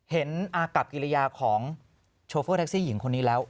อากับกิริยาของโชเฟอร์แท็กซี่หญิงคนนี้แล้ว